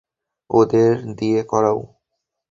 ওদের দিয়ে করাও।